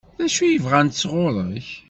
D acu i bɣant sɣur-k?